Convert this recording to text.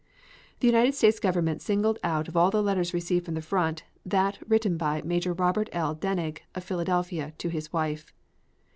The United States Government singled out of all the letters received from the front, that written by Major Robert L. Denig, of Philadelphia, to his wife.